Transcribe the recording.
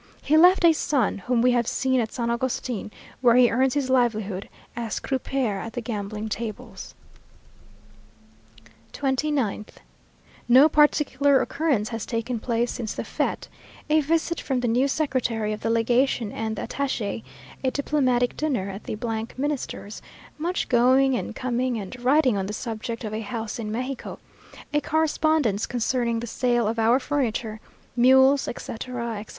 He left a son, whom we have seen at San Agustin, where he earns his livelihood as croupier at the gambling tables. 29th. No particular occurrence has taken place since the fête; a visit from the new Secretary of Legation and the Attache, a diplomatic dinner at the Minister's, much going and coming and writing on the subject of a house in Mexico, a correspondence concerning the sale of our furniture, mules, etc., etc.